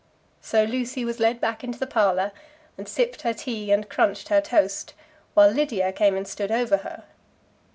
So Lucy was led back into the parlour, and sipped her tea and crunched her toast, while Lydia came and stood over her.